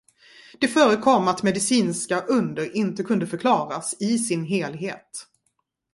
Det förekom att medicinska under inte kunde förklaras i sin helhet.